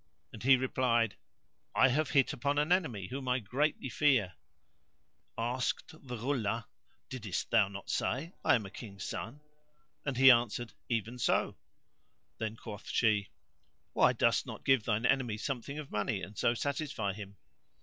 and he replied, "I have hit upon an enemy whom I greatly fear." Asked the Ghulah, "Diddest thou not say:—I am a King's son?" and he answered, "Even so." Then quoth she, "Why dost not give thine enemy something of money and so satisfy him?"